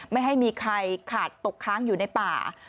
ไม่ให้มีใครขาดตกค้างอยู่ในป่า